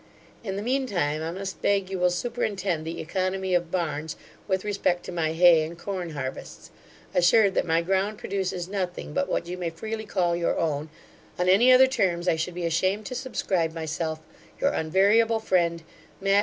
In the mean time, I must beg you will superintend the oeconomy of Barns, with respect to my hay and corn harvests; assured that my ground produces nothing but what you may freely call your own On any other terms I should be ashamed to subscribe myself Your unvariable friend, MATT.